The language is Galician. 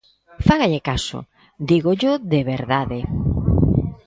Fágalle caso, dígollo de verdade.